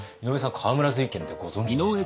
河村瑞賢ってご存じでした？